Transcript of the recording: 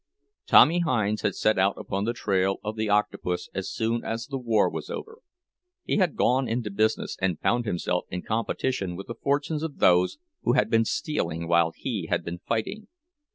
Tommy Hinds had set out upon the trail of the Octopus as soon as the war was over. He had gone into business, and found himself in competition with the fortunes of those who had been stealing while he had been fighting.